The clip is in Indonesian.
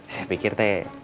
saya pikir teh